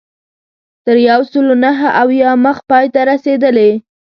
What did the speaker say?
تر یو سلو نهه اویا مخ پای ته رسېدلې.